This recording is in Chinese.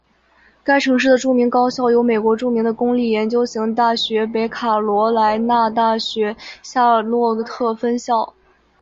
该城市的著名高校有美国著名的公立研究型大学北卡罗莱纳大学夏洛特分校。